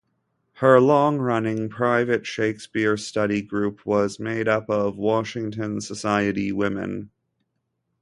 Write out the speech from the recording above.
Her long running private Shakespeare study group was made up of Washington society women.